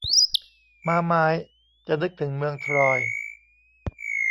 ม้าไม้ จะนึกถึงเมืองทรอย